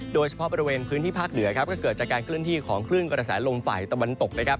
โดยเฉพาะบริเวณพื้นที่ภาคเหนือครับก็เกิดจากการเคลื่อนที่ของคลื่นกระแสลมฝ่ายตะวันตกนะครับ